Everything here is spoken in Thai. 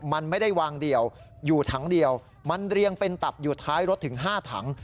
มันไม่ได้วางเดียวอยู่ถังเดียวมันเรียงเป็นตับอยู่ท้ายรถถึง๕ถัง